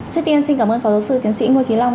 trước tiên xin cảm ơn phó giáo sư tiến sĩ ngô trí long